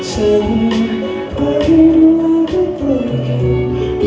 ฉันไปแล้วกลับไปกัน